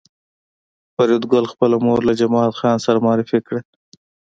فریدګل خپله مور له جمال خان سره معرفي کړه